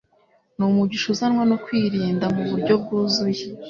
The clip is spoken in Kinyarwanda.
n’umugisha uzanwa no kwirinda mu buryo bwuzuye